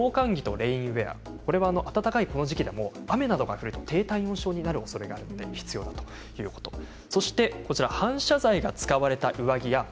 まず防寒着とレインウエア暖かいこの時期でも雨などが降ると低体温症になるおそれがあるので必要ということです。